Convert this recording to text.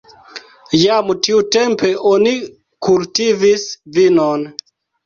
Jam tiutempe oni kultivis vinon.